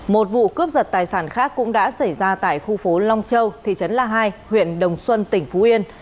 một vụ cướp giật tài sản khác cũng đã xảy ra tại khu phố long châu thị trấn la hai huyện đồng xuân tỉnh phú yên